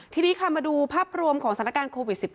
ทีนี้ค่ะมาดูภาพรวมของสถานการณ์โควิด๑๙